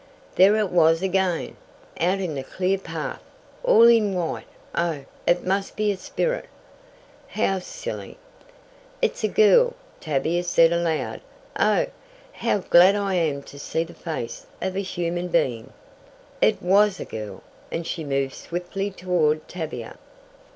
There it was again, out in the clear path! All in white! Oh, it must be a spirit! How silly! "It's a girl," Tavia said aloud. "Oh, how glad I am to see the face of a human being!" It was a girl, and she moved swiftly toward Tavia.